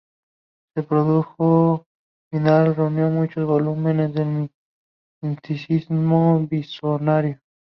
Su producción final reunió muchos volúmenes de misticismo visionario.